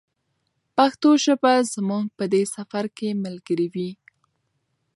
پښتو ژبه به زموږ په دې سفر کې ملګرې وي.